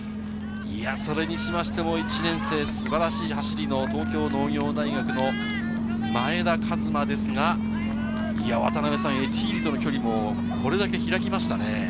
それにしましても、１年生、素晴らしい走りの東京農業大学の前田和摩ですが、エティーリとの距離もこれだけ開きましたね。